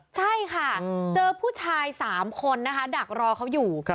ใช่ค่ะเจอผู้ชาย๓คนนะคะดักรอเขาอยู่